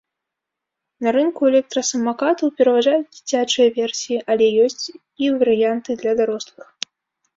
На рынку электрасамакатаў пераважаюць дзіцячыя версіі, але ёсць і варыянты для дарослых.